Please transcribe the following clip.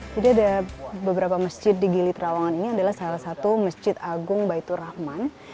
jadi ada beberapa masjid di gili terawangan ini adalah salah satu masjid agung baitur rahman